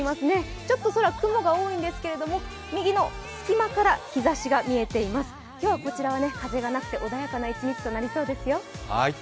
ちょっと空、雲が多いんですけれども、右の隙間から日ざしが見えています、今日はこちらは風がなくて穏やかな一日となりそうですよ。